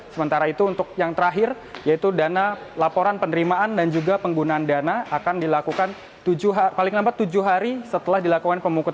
sementara itu untuk yang terakhir yaitu dana laporan penerimaan dan juga penggunaan dana akan dilakukan paling lambat tujuh hari setelah dilakukan pemungkutan